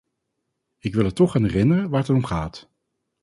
Ik wil er toch aan herinneren waar het om gaat.